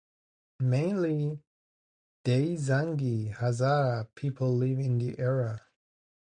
Mainly Daizangi Hazara people live in the area.